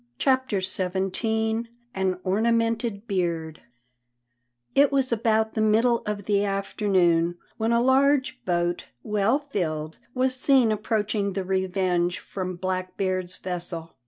CHAPTER XVII AN ORNAMENTED BEARD It was about the middle of the afternoon when a large boat, well filled, was seen approaching the Revenge from Blackbeard's vessel.